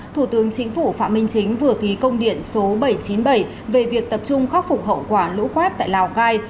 thủ tướng chính phủ phạm minh chính vừa ký công điện số bảy trăm chín mươi bảy về việc tập trung khắc phục hậu quả lũ quét tại lào cai